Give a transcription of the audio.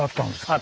あ